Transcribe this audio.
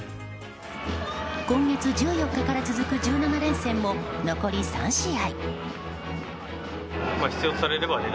今月１４日から続く１７連戦も残り３試合。